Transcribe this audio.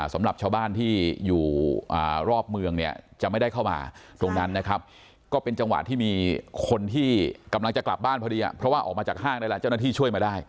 สำหรับชาวบ้านที่อยู่รอบเมืองเนี่ยจะไม่ได้เข้ามาตรงนั้นนะครับก็เป็นจังหวะที่มีคนที่กำลังจะกลับบ้านพอดีเพราะว่าออกมาจากห้างได้แล้วเจ้าหน้าที่ช่วยมาได้